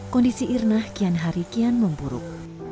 kondisi irnah kian hari kian mempuruk